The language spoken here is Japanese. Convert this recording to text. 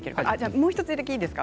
もう１つだけいいですか。